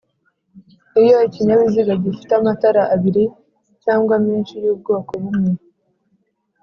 Iyo ikinyabiziga gifite amatara abiri cyangwa menshi y'ubwoko bumwe